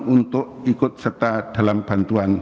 untuk ikut serta dalam bantuan